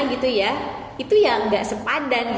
itu yang tidak sepadan